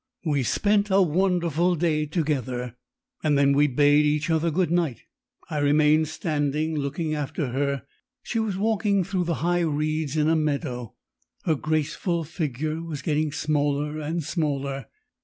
We spent a wonderful day together. Then we bade each other good night. I remained standing, looking after her. She was walking through the high reeds in a meadow. Her graceful figure was getting smaller and smaller.